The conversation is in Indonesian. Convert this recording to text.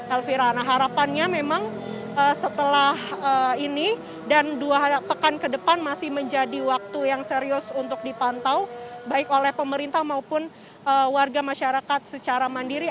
elvira harapannya memang setelah ini dan dua pekan ke depan masih menjadi waktu yang serius untuk dipantau baik oleh pemerintah maupun warga masyarakat secara mandiri